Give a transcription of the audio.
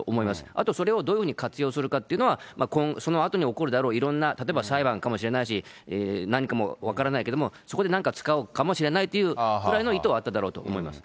あとそれをどういうふうに活用するかっていうのは、そのあとに起こるであろういろんな、例えば裁判かもしれないし、何かも分からないけれども、そこでなんか使うかもしれないというくらいの意図はあっただろうと思います。